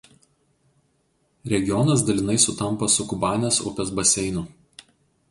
Regionas dalinai sutampa su Kubanės upės baseinu.